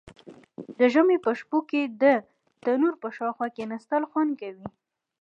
د ژمي په شپو کې د تندور په شاوخوا کیناستل خوند کوي.